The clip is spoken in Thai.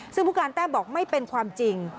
ซึ่งผู้การแต้มบอกไม่เป็นความจริง